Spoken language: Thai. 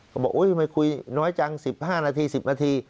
ก็บอกทำไมคุยน้อยจัง๑๕นาที๑๐นาที